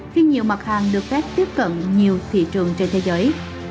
khi nhiều mặt hàng được phép tiếp cận nhiều thị trường trên thế giới